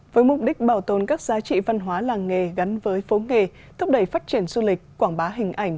với mục đích bảo tồn các giá trị văn hóa làng nghề gắn với phố nghề thúc đẩy phát triển du lịch quảng bá hình ảnh